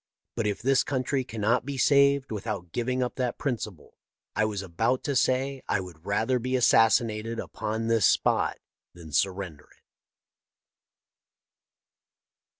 But if this country cannot be saved without giving up that principle, I was about to say I would rather be assassinated upon this spot than surrender it."